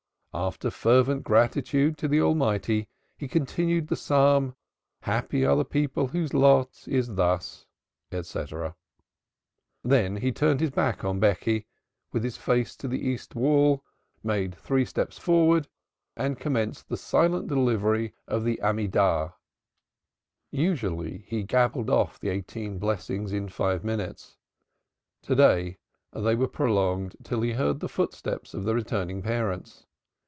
With fervent gratitude to the Almighty he continued the Psalm: "Happy are the people whose lot is thus, etc." Then he turned his back on Becky, with his face to the East wall, made three steps forwards and commenced the silent delivery of the Amidah. Usually he gabbled off the "Eighteen Blessings" in five minutes. To day they were prolonged till he heard the footsteps of the returning parents.